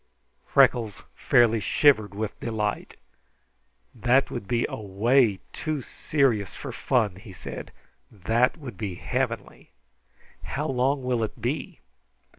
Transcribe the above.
Freckles fairly shivered with delight. "That would be away too serious for fun," he said. "That would be heavenly. How long will it be?"